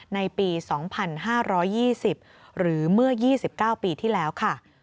ในปี๒๕๒๐หรือเมื่อ๒๙ปีที่แล้วค่ะ